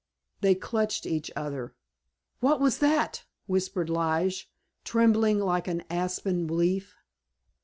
They clutched each other. "What was that?" whispered Lige, trembling like an aspen leaf.